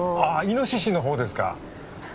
イノシシの方ですか？